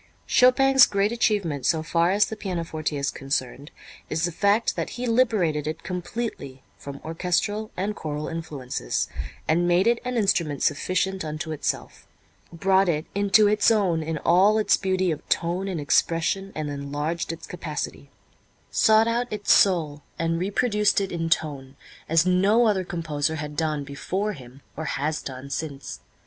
Chopin's great achievement so far as the pianoforte is concerned is the fact that he liberated it completely from orchestral and choral influences, and made it an instrument sufficient unto itself, brought it into its own in all its beauty of tone and expression and enlarged its capacity; sought out its soul and reproduced it in tone, as no other composer had done before him or has done since.